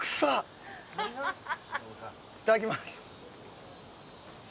いただきます。